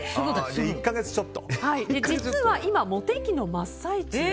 実は今、モテ期の真っ最中。